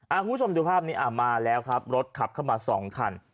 คุณผู้ชมดูภาพนี้อ่ามาแล้วครับรถขับเข้ามาสองคัน